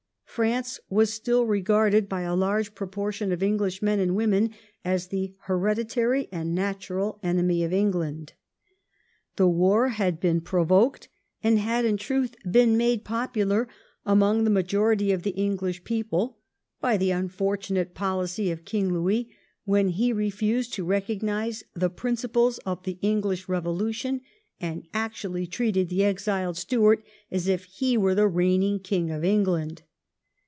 France was still regarded by a large proportion of English men and women as the hereditary and natural enemy of England. The war had been provoked, and had in truth been made 1711 13 POPULAK FEELING TOWARDS FRANCE. 83 popular among the majority of the Enghsh people, by the unfortunate policy of King Louis, when he refused to recognise the principles of the English Eevolution, and actually treated the exiled Stuart as if he were the reigning King of England.